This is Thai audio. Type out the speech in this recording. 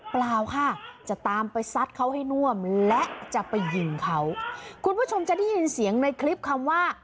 เปล่าค่ะจะตามไปซัดเขาให้น่วมและจะไปยิงเขาคุณผู้ชมจะได้ยินเสียงในคลิปคำว่า